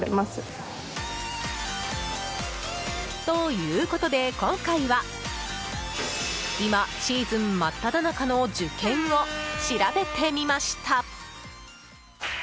ということで今回は今、シーズン真っただ中の受験を調べてみました。